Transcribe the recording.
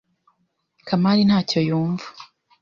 Kamari ntacyo yumva.